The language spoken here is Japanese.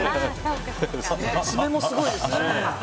爪もすごいですね。